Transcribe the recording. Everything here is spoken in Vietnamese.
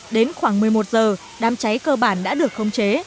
đến khoảng một mươi một giờ đám cháy cơ bản đã được khống chế